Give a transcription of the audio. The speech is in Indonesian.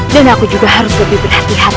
dan aku juga harus lebih berhati hati